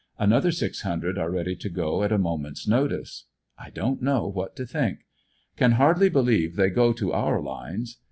117 another six hundred are ready to go at a moment's notice. I don't know what to think. Can hardly believe they go to our lines.